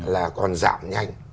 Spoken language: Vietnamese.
là còn giảm nhanh